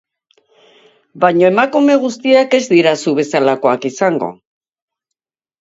Baina emakume guztiak ez dira zu bezalakoak izango...